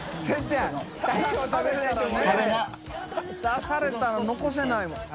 出されたら残せないもん。